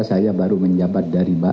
saya ingin mengucapkan kepada bu sri mulyani